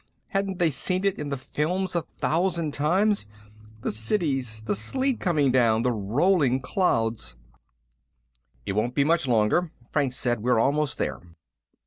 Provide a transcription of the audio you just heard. Hadn't they seen it in the films a thousand times? The cities, the sleet coming down, the rolling clouds "It won't be much longer," Franks said. "We're almost there.